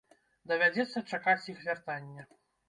Давядзецца чакаць іх вяртання.